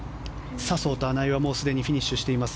笹生と穴井はすでにフィニッシュしています。